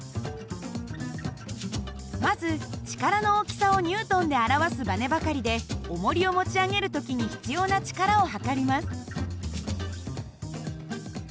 まず力の大きさをＮで表すばねばかりでおもりを持ち上げる時に必要な力を量ります。